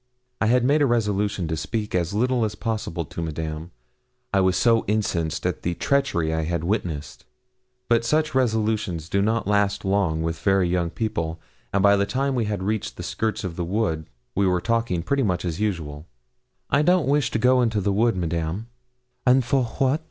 I had made a resolution to speak as little as possible to Madame, I was so incensed at the treachery I had witnessed; but such resolutions do not last long with very young people, and by the time we had reached the skirts of the wood we were talking pretty much as usual. 'I don't wish to go into the wood, Madame.' 'And for what?'